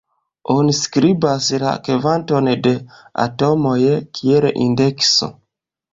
Oni skribas la kvanton de atomoj kiel indekso.